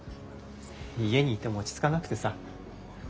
家にいても落ち着かなくてさ。